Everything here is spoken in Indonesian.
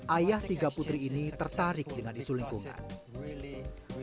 ayah tiga putri ini tertarik dengan isu lingkungan